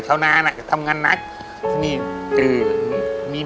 เพราะว่าปีน